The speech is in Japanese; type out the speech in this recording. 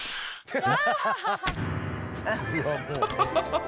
ハハハハ！